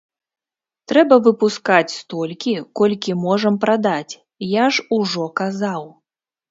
Трэба выпускаць столькі, колькі можам прадаць, я ж ужо казаў.